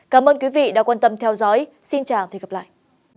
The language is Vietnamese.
cảm ơn quý vị đã quan tâm theo dõi xin chào và hẹn gặp lại